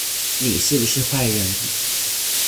你是不是壞人